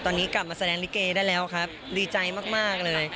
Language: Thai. ตอนนี้กลับมาแสดงลิเกได้แล้วครับดีใจมากเลย